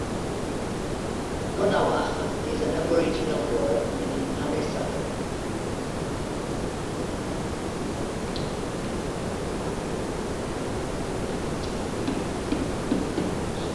Coonawarra is an Aboriginal word meaning "Honeysuckle".